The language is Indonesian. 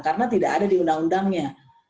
karena tidak ada di undang undangnya